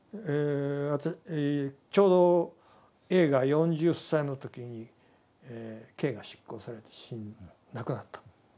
ちょうどＡが４０歳の時に刑が執行されて亡くなった。